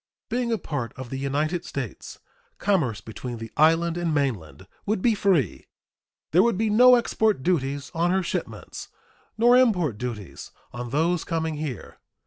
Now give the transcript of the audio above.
Being a part of the United States, commerce between the island and mainland would be free. There would be no export duties on her shipments nor import duties on those coming here.